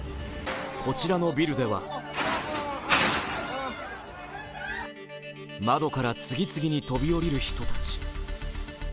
こちらのビルでは窓から次々に飛び降りる人たち。